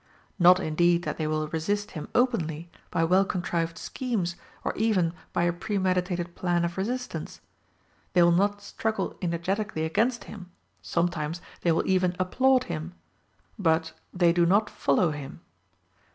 Not indeed that they will resist him openly, by well contrived schemes, or even by a premeditated plan of resistance. They will not struggle energetically against him, sometimes they will even applaud him but they do not follow him.